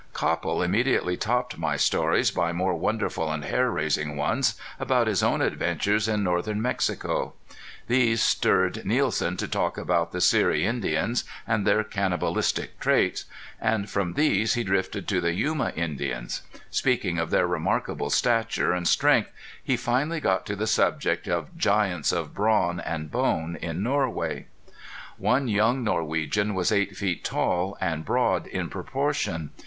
Copple immediately topped my stories by more wonderful and hair raising ones about his own adventures in northern Mexico. These stirred Nielsen to talk about the Seri Indians, and their cannibalistic traits; and from these he drifted to the Yuma Indians. Speaking of their remarkable stature and strength he finally got to the subject of giants of brawn and bone in Norway. One young Norwegian was eight feet tall and broad in proportion.